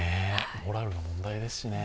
モラルの問題ですね。